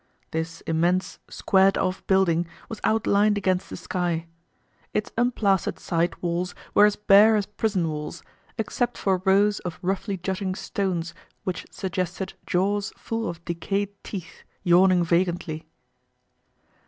This immense, squared off building was outlined against the sky. Its unplastered side walls were as bare as prison walls, except for rows of roughly jutting stones which suggested jaws full of decayed teeth yawning vacantly.